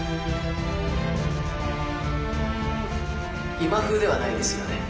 今風ではないですよね？